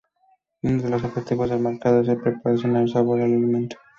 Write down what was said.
Uno de los objetivos del marcado es el de proporcionar sabor al alimento.